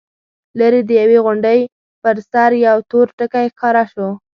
ليرې د يوې غونډۍ پر سر يو تور ټکی ښکاره شو.